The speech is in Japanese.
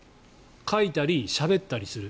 書いたりしゃべったりする。